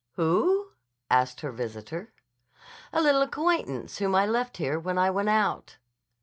"Who?" asked her visitor. "A little acquaintance whom I left here when I went out."